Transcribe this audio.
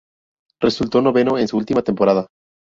Resultó noveno en su última temporada.